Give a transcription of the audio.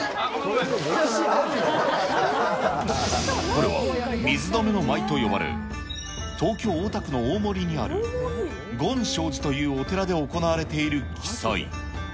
これは水止祭と呼ばれる、東京・大田区の大森にある、ごんしょう寺というお寺で行われている奇祭。